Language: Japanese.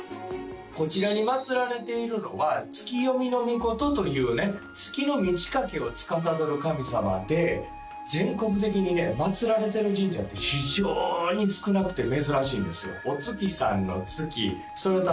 こちらに祀られているのはツキヨミノミコトというね月の満ち欠けを司る神様で全国的にね祀られてる神社って非常に少なくて珍しいんですよ